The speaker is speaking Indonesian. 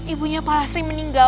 ibu nya pak lastri meninggal